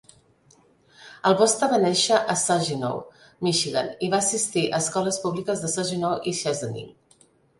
Albosta va néixer a Saginaw, Michigan, i va assistir a escoles públiques de Saginaw i Chesaning.